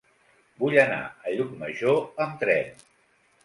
Vull anar a Llucmajor amb tren.